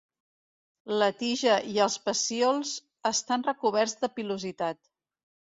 La tija i els pecíols estan recoberts de pilositat.